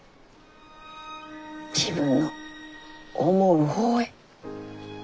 自分の思う方へ。